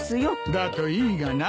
だといいがな。